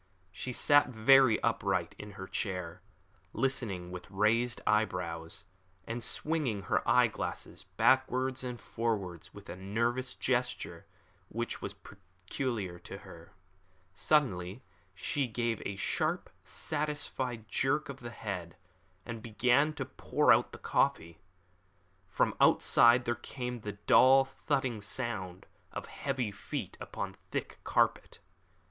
She sat very upright in her chair, listening with raised eyebrows, and swinging her eye glasses backwards and forwards with a nervous gesture which was peculiar to her. Suddenly she gave a sharp, satisfied jerk of the head, and began to pour out the coffee. From outside there came the dull thudding sound of heavy feet upon thick carpet.